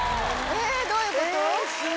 どういうこと⁉